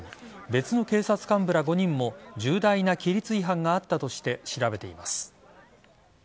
別の警察幹部ら５人も重大な規律違反があったとして調べています。